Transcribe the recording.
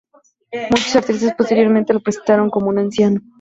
Muchos artistas posteriores lo presentaron como un anciano.